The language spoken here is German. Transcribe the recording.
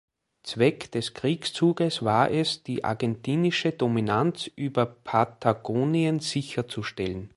Zweck des Kriegszuges war es, die argentinische Dominanz über Patagonien sicherzustellen.